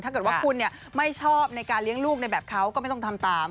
ถ้าเกิดว่าคุณไม่ชอบในการเลี้ยงลูกในแบบเขาก็ไม่ต้องทำตาม